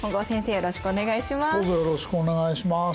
よろしくお願いします。